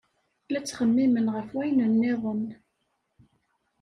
La ttxemmimen ɣef wayen niḍen.